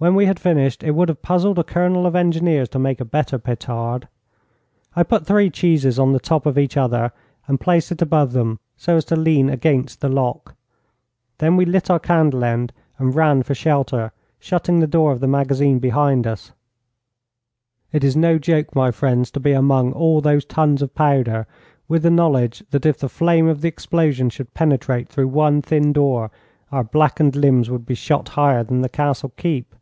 When we had finished, it would have puzzled a colonel of engineers to make a better petard. I put three cheeses on the top of each other and placed it above them, so as to lean against the lock. Then we lit our candle end and ran for shelter, shutting the door of the magazine behind us. It is no joke, my friends, to be among all those tons of powder, with the knowledge that if the flame of the explosion should penetrate through one thin door our blackened limbs would be shot higher than the Castle keep.